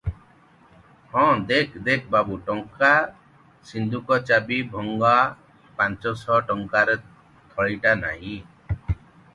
ହଁ, ଦେଖ ଦେଖ, ବାବୁଙ୍କ ଟଙ୍କା ସିନ୍ଦୁକ ଚାବି ଭଙ୍ଗା, ପାଞ୍ଚ ଶହ ଟଙ୍କାର ଥଳିଟା ନାହିଁ ।